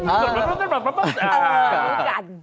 อันรูกัน